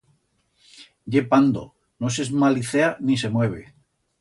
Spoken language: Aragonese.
Ye pando, no s'esmalicea, ni se mueve.